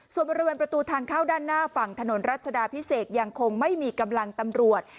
ส่วนบริเวณประตูทางเข้าด้านหน้าฝั่งถนนรัชดาพิเศษยังคงไม่มีกำลังตำรวจ